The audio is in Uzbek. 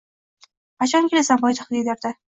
“Qachon kelasan poytaxtga”, derdi.